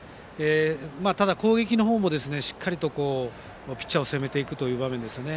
ただ、攻撃の方もしっかりとピッチャーを攻めていく場面ですね。